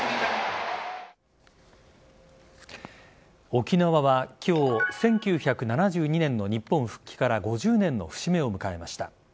沖縄は今日１９７２年の日本復帰から５０年の節目を迎えました。